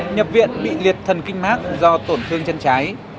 nhập viện bị liệt thần kinh mát do tổn thương chân trái